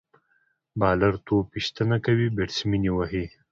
بالر توپ ویشتنه کوي، بیټسمېن يې وهي.